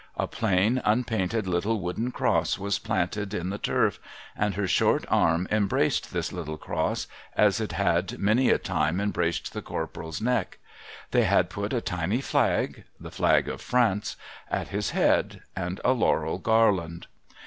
A plain, unpainted little wooden Cross was planted in the turf, and her short arm embraced this little Cross, as it had many a time embraced the Corporal's neck. They had put a tiny flag (the flag of France) at his head, and a laurel garland.